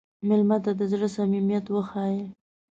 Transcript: مېلمه ته د زړه صمیمیت وښیه.